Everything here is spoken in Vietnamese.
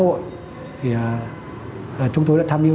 chúng tôi đã tham hiu cho đảng ubnd thường xuyên xuống động viên